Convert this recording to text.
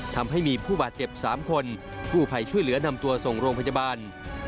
ทำให้มีผู้บาดเจ็บ๓คนกู้ภัยช่วยเหลือนำตัวส่งโรงพยาบาล